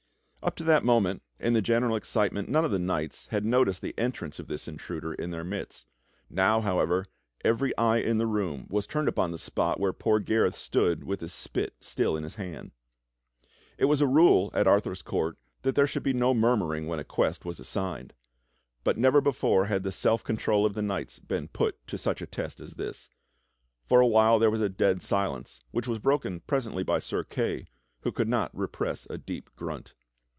Up to that moment, in the general excitement, none of the knights had noticed the entrance of this intruder in their midst. Now, how ever, every eye in the room was turned upon the spot where poor Gareth stood with his spit still in his hand. It was a rule at Arthur's court that there should be no murmuring when a quest was assigned. But never before had the self control of the knights been put to such a test as this. For a while there was a dead silence which was broken presently by Sir Kay, who could not repress a deep grunt.